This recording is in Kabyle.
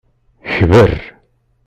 Kber.